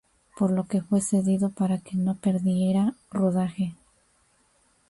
Por lo que fue cedido para que no perdiera rodaje.